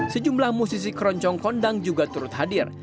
sejumlah musisi keroncong kondang juga turut hadir